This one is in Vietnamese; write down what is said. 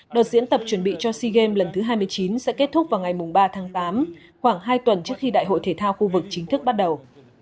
đợt diễn tập chuẩn bị cho sea games lần thứ hai mươi chín sẽ kết thúc vào ngày ba tháng tám khoảng hai tuần trước khi đại hội thể thao khu vực chính thức bắt đầu